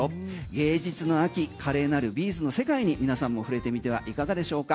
芸術の秋華麗なるビーズの世界に皆さんも触れてみてはいかがでしょうか？